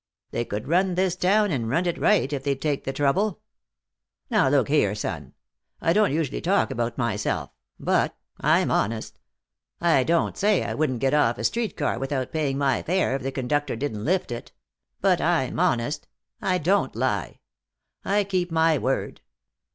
They could run this town and run it right, if they'd take the trouble. Now look here, son, I don't usually talk about myself, but I'm honest. I don't say I wouldn't get off a street car without paying my fare if the conductor didn't lift it! But I'm honest. I don't lie. I keep my word.